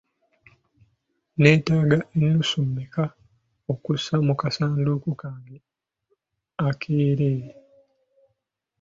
Nneetaaga ennusu mmeka okussa mu kasanduuke kange akeereere?